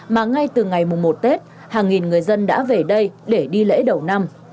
mà ngay từ ngày mùng một tết hàng nghìn người dân đã về đây để đi lễ đầu năm